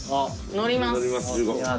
乗ります。